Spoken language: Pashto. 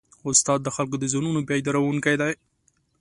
استاد د خلکو د ذهنونو بیدارونکی دی.